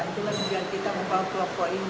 itulah yang kita membawa ke kelompok ini